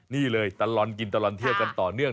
นี่เลยตลอดกินตลอดเที่ยวกันต่อเนื่อง